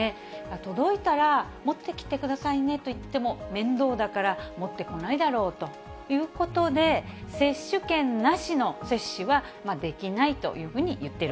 届いたら、持ってきてくださいねと言っても、面倒だから持ってこないだろうということで、接種券なしの接種はできないというふうに言っている